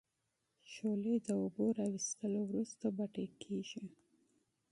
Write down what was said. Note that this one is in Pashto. شولې د اوبو را وېستلو وروسته بټۍ کیږي.